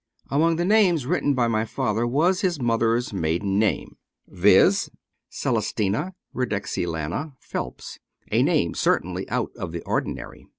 Among the names written by my father was his mother's maiden name, viz., " Celestina Redexilana Phelps," a name certainly out of the ordinary.